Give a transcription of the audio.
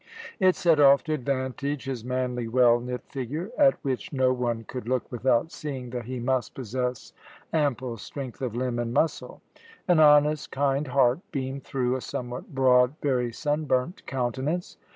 It set off to advantage his manly, well knit figure, at which no one could look without seeing that he must possess ample strength of limb and muscle. An honest, kind heart beamed through a somewhat broad, very sun burnt countenance.